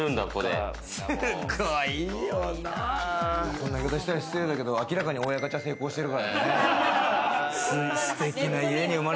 こんなこと言ったら失礼だけれど、明らかに親ガチャ成功してるからね。